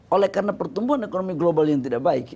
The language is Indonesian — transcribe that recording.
oleh karena pertumbuhan ekonomi global yang tidak baik